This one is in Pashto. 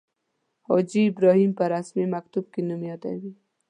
حاجي ابراهیم په رسمي مکتوب کې نوم یادوي.